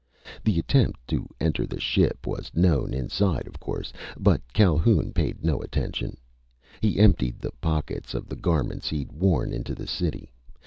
The attempt to enter the ship was known inside, of course. But Calhoun paid no attention. He emptied the pockets of the garments he'd worn into the city.